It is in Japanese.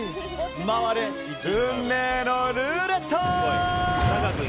回れ、運命のルーレット！